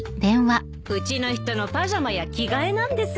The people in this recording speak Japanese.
うちの人のパジャマや着替えなんです。